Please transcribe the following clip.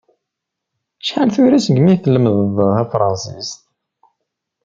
Acḥal tura segmi tlemmdeḍ tafransist?